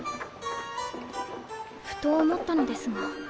ふと思ったのですが。